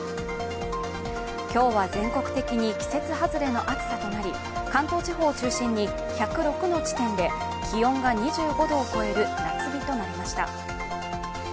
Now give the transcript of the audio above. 今日は全国的に季節外れの暑さとなり、関東地方を中心に１０６の地点で気温が２５度を超える夏日となりました。